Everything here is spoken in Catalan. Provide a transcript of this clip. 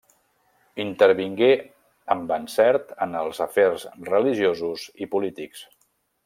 Intervingué amb encert en els afers religiosos i polítics.